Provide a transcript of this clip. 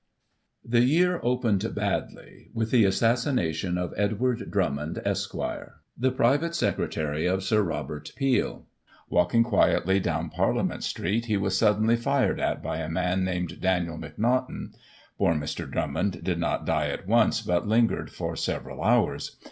The year opened badly, with the assassination of Edward Drummond, Esqre., the private secretary of Sir Robert Peel. Walking quietly down Parliament Street, he was suddenly fired at by a man named Daniel McNaughton. Poor Mr. Drummond did not die at once, but lingered for a few hours.